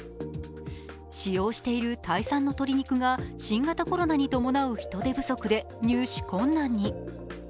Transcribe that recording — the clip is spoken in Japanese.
使用しているタイ産の鶏肉が新型コロナに伴う人手不足で入手困難に。